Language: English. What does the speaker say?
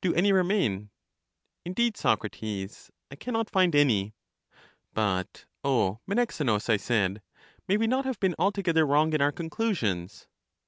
Do any re main? Indeed, Socrates, I can not find any. But, O Menexenus! 1 said, may we not have been altogether wrong in our conclusions?